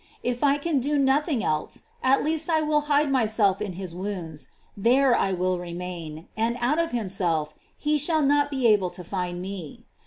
If I can do nothing else, at least I will hide my self in his wounds ; there I will remain, and out of himself he shall not be able to find me.